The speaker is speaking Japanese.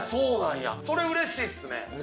それ、うれしいっすね！